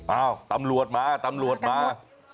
อ้าวตำรวจมาตำรวจมา